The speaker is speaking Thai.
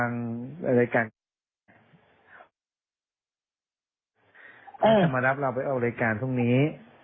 เนี่ยที่เราส่งให้ตัวเองเมื่อกี้นะมันมี